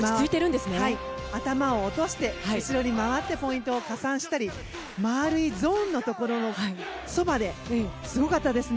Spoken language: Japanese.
頭を落として後ろに回ってポイントを加算したり丸いゾーンのところのそばですごかったですね